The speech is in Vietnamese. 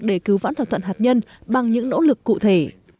để cứu vãn thỏa thuận hạt nhân bằng những nỗ lực cụ thể